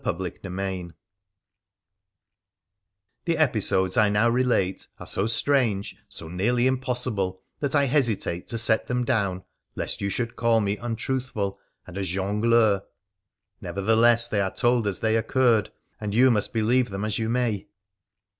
CHAPTER XXIII The episodes I now relate are so strange, so nearly impossible, that I hesitate to set them down lest you should call me un truthful and a jongleur ; nevertheless, they are told as they occurred, and you must believe them as you may.